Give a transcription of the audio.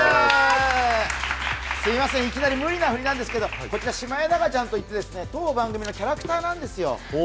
すみません、いきなり無理なフリなんですが、こちら、シマエナガちゃんという当番組のキャラクターなんです。